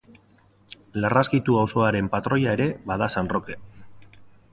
Larraskitu auzoaren patroia ere bada San Roke.